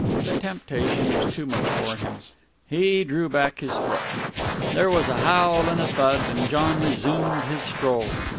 The temptation was too much for him. He drew back his foot There was a howl and a thud, and John resumed his stroll.